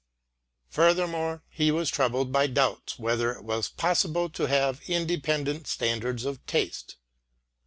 Furthermore, he was troubled by doubts whether it was possible to have independent standards of taste.